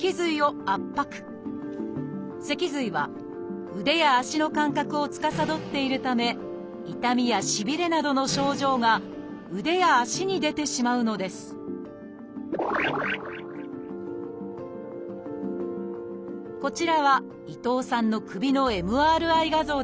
脊髄は腕や足の感覚をつかさどっているため痛みやしびれなどの症状が腕や足に出てしまうのですこちらは伊藤さんの首のＭＲＩ画像です。